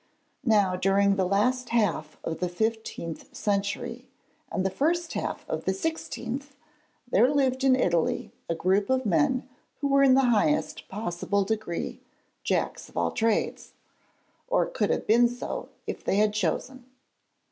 Now during the last half of the fifteenth century and the first half of the sixteenth there lived in Italy a group of men who were in the highest possible degree Jacks of all Trades, or could have been so if they had chosen.